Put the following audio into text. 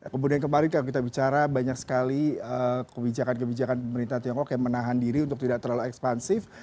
kemudian kemarin kalau kita bicara banyak sekali kebijakan kebijakan pemerintah tiongkok yang menahan diri untuk tidak terlalu ekspansif